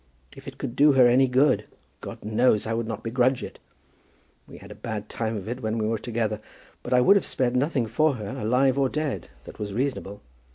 If it could do her any good, God knows I would not begrudge it. We had a bad time of it when we were together, but I would have spared nothing for her, alive or dead, that was reasonable.